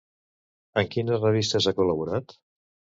En quines revistes ha col·laborat?